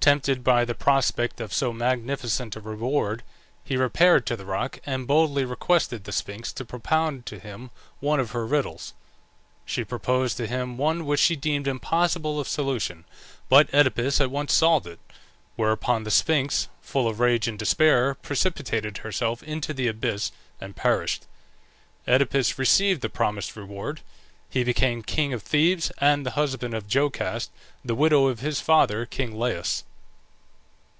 Tempted by the prospect of so magnificent a reward he repaired to the rock, and boldly requested the Sphinx to propound to him one of her riddles. She proposed to him one which she deemed impossible of solution, but Oedipus at once solved it; whereupon the Sphinx, full of rage and despair, precipitated herself into the abyss and perished. Oedipus received the promised reward. He became king of Thebes and the husband of Jocaste, the widow of his father, king Laius.